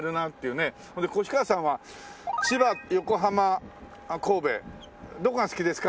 それで腰川さんは千葉横浜神戸どこが好きですか？